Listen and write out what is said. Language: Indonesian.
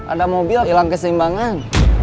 ada mobil hilang keseimbangan